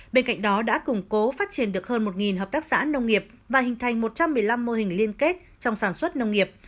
bên cạnh đó đã củng cố phát triển được hơn một hợp tác xã nông nghiệp và hình thành một trăm một mươi năm mô hình liên kết trong sản xuất nông nghiệp